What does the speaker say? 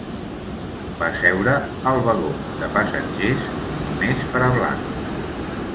Va seure al vagó de passatgers "només per a blancs":